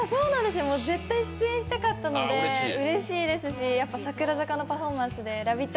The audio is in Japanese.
絶対出演したかったのでうれしいですし櫻坂のパフォーマンスで「ラヴィット！」